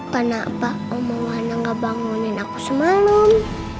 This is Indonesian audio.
kenapa omah omah gak bangunin aku semalem